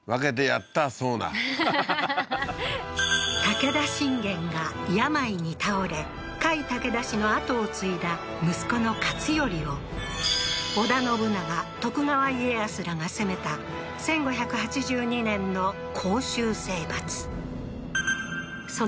武田信玄が病に倒れ甲斐武田氏の跡を継いだ息子の勝頼を織田信長・徳川家康らが攻めた１５８２年の甲州征伐